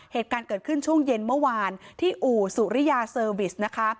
เหตุการณ์เกิดขึ้นช่วงเย็นเมื่อวานที่อู่สุริยาเซอร์วิสนะคะ